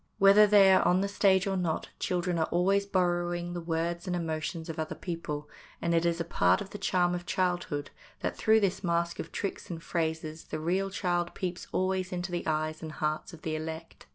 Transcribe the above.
Whether they are on the stage or not, children are always borrowing the words and emotions of other people, and it is a part of the charm of childhood that through this mask of tricks and phrases the real child peeps always into the eyes and hearts of the elect.